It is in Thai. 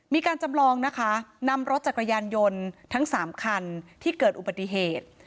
มีการจำลองนะคะนำรถจักรยานยนต์ทั้ง๓คันที่เกิดอุบัติเหตุ